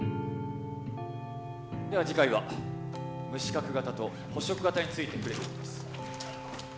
では次回は無資格型と捕食型について触れていきます。